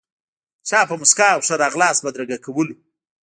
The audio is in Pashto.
چا په موسکا او ښه راغلاست بدرګه کولو.